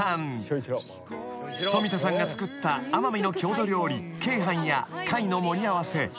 ［富田さんが作った奄美の郷土料理鶏飯や貝の盛り合わせ］